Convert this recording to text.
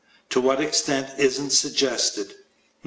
To what extent isn't suggested.